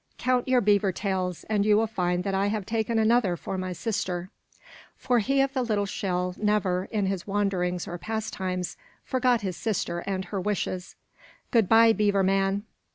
"Count your beaver tails, and you will find that I have taken another for my sister"; for He of the Little Shell never, in his wanderings or pastimes, forgot his sister and her wishes. "Good bye, beaver man!"